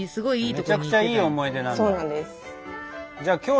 めちゃくちゃいい思い出なんだ。